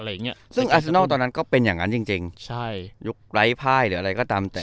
อย่างเงี้ยซึ่งอาเซนัลตอนนั้นก็เป็นอย่างนั้นจริงจริงใช่ยุคไร้ภายหรืออะไรก็ตามแต่